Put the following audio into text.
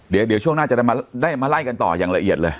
เดี๋ยวช่วงหน้าจะได้มาไล่กันต่ออย่างละเอียดเลย